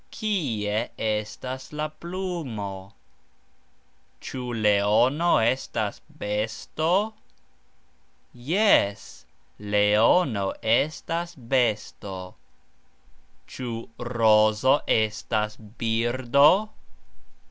Kie estas la plumo? Cxu leono estas besto? Jes, leono estas besto. Cxu rozo estas birdo?